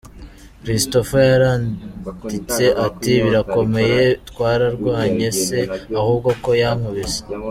Christopher yaranditse ati “Birakomeye, twararwanye se ahubwo ko yankubise!!!”.